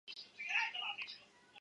另有四分之三降号表示。